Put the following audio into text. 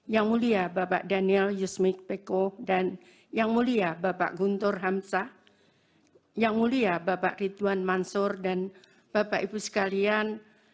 yang mulia bapak daniel yusmik peko dan yang mulia bapak guntur hamzah yang mulia bapak ridwan mansur dan bapak ibu sekalian